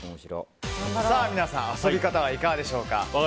皆さん遊び方はいかがでしょうか。